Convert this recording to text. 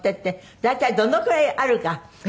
大体どのくらいあるか。